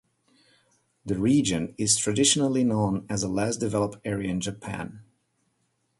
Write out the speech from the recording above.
The region is traditionally known as a less developed area of Japan.